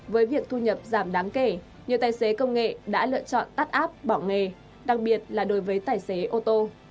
với việc thu nhập giảm đáng kể nhiều tài xế công nghệ đã lựa chọn tắt áp bỏ nghề đặc biệt là đối với tài xế ô tô